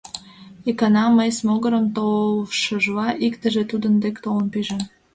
Икана мыйс могырым толшыжла иктыже тудын дек толын пиже.